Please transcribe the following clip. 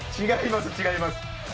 違います